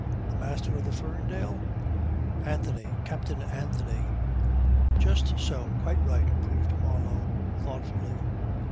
"The master of the Ferndale? Anthony. Captain Anthony." "Just so. Quite right," approved Marlow thoughtfully.